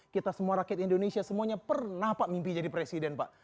kita semua rakyat indonesia semuanya pernah pak mimpi jadi presiden pak